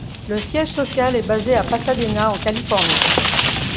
Le siège social est basé à Pasadena, en Californie.